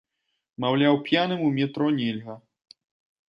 Маўляў, п'яным у метро нельга.